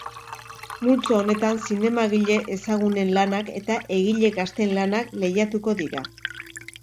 Multzo honetan, zinemagile ezagunen lanak eta egile gazteen lanak lehiatuko dira.